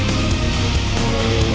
tiga dua satu